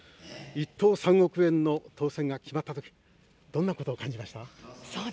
１等３億円の当せんが決まったときどんなことを感じました？